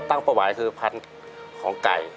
พันธุ์ของไก่